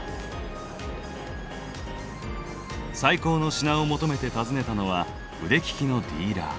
最高の品を求めて訪ねたのは腕利きのディーラー。